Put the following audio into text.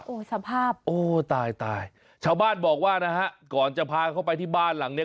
โอ้โหสภาพโอ้ตายตายชาวบ้านบอกว่านะฮะก่อนจะพาเขาไปที่บ้านหลังเนี้ย